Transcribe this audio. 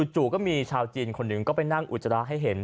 จู่ก็มีชาวจีนคนหนึ่งก็ไปนั่งอุจจาระให้เห็น